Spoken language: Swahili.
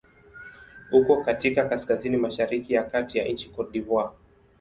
Uko katika kaskazini-mashariki ya kati ya nchi Cote d'Ivoire.